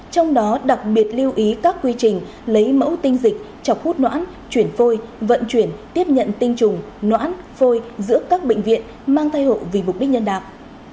trong đó đặc biệt lưu ý các quy trình lấy mẫu tinh dịch chọc hút mãn chuyển phôi vận chuyển tiếp nhận tinh trùng nõn phôi giữa các bệnh viện mang thai hộ vì mục đích nhân đạo